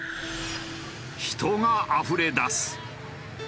人があふれ出す。